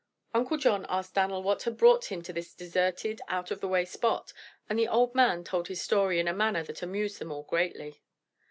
Uncle John asked Dan'l what had brought him to this deserted, out of the way spot, and the old man told his story in a manner that amused them all greatly.